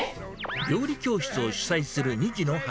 料理教室を主宰する２児の母。